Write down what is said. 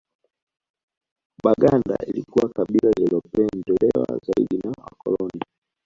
Baganda lilikuwa kabila lililopendelewa zaidi na Wakoloni